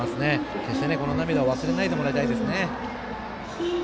決してこの涙を忘れないでもらいたいですね。